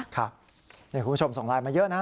คุณผู้ชมส่งไลน์มาเยอะนะ